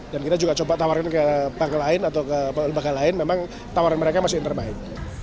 dan kita juga coba tawarkan ke bank lain atau ke lembaga lain memang tawaran mereka masih terbaik